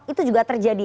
itu juga terjadi